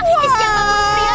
isi yang panggung pria